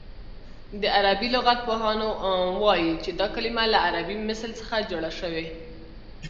د عربي لغت پوهان وايي چې دا کلمه له عربي مثل څخه جوړه شوې